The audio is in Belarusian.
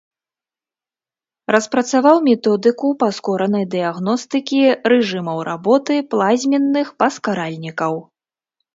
Распрацаваў методыку паскоранай дыягностыкі рэжымаў работы плазменных паскаральнікаў.